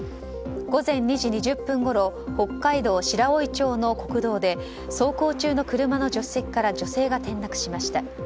午前２時２０分ごろ北海道白老町の国道で走行中の車の助手席から女性が転落しました。